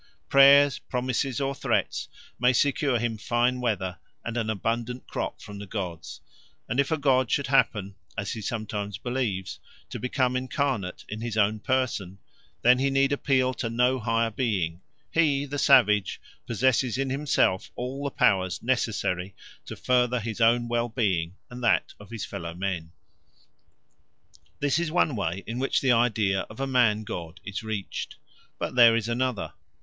Prayers, promises, or threats may secure him fine weather and an abundant crop from the gods; and if a god should happen, as he sometimes believes, to become incarnate in his own person, then he need appeal to no higher being; he, the savage, possesses in himself all the powers necessary to further his own well being and that of his fellow men. This is one way in which the idea of a man god is reached. But there is another.